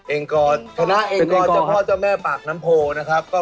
แองกอร์คณะแองกอร์เจ้าพ่อเจ้าแม่ปากน้ำโพนะครับเป็นแองกอร์ครับ